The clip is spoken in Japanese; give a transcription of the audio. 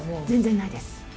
全然ないです。